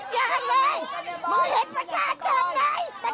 แป๊บนี้นี่นี่แปลกนี้นี่